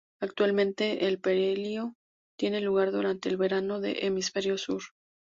Actualmente, el perihelio tiene lugar durante el verano del hemisferio sur.